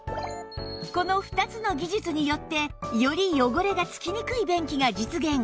この２つの技術によってより汚れが付きにくい便器が実現